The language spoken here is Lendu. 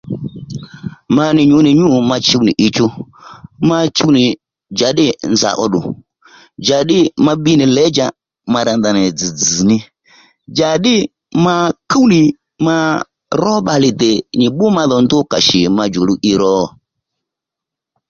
Ma nì nyǔ nì nyû ma chuw nì ǐchú ma chuw nì njàddî nza ó ddù njàddî ma bbi nì lědjà ma rǎ ndanà dzz̀dzz̀ ní njàddî ma kúw nì ma ró bbalè dè nyi bbú madhò i ndu kà shì ma djòlu i ro